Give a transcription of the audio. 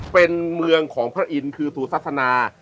เป็นเมืองของพระอินทร์คือสุศาสนา